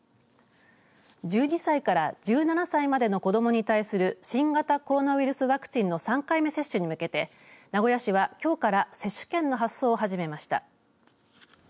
１２歳から１７歳までの子どもに対する新型コロナウイルスワクチンの３回目接種に向けて名古屋市はきょうから接種券の発送を始めました。